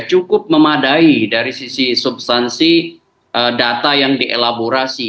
cukup memadai dari sisi substansi data yang dielaborasi